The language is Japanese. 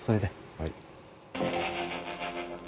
はい。